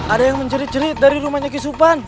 ada yang menjerit jerit dari rumahnya kisupan